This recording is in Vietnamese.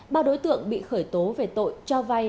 ba đối tượng bị khởi tố về tội cho vay